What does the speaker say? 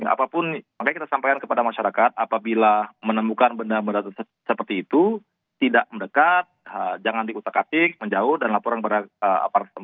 apapun makanya kita sampaikan kepada masyarakat apabila menemukan benda benda seperti itu tidak mendekat jangan diutak atik menjauh dan laporan kepada aparat